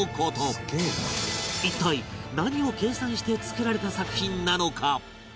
一体何を計算して作られた作品なのか？